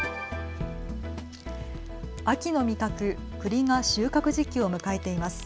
秋の味覚、くりが収穫時期を迎えています。